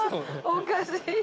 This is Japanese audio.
おかしい！